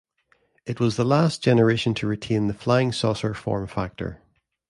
It was the last generation to retain the "flying saucer" form factor.